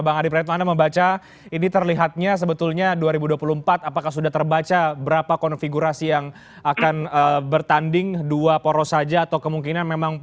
bang adi praetno anda membaca ini terlihatnya sebetulnya dua ribu dua puluh empat apakah sudah terbaca berapa konfigurasi yang akan bertanding dua poros saja atau kemungkinan memang